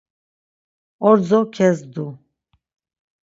“Ordzo kezdu!”